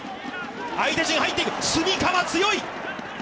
相手陣に入っていく炭竈、強い。